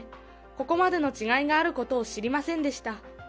ここまでの違いがあることを知りませんでした。